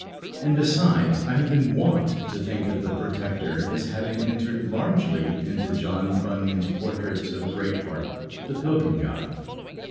And, besides, I had been wont to think of the Protector as having entered largely into John Bunyan's portrait of Greatheart, the pilgrim guide.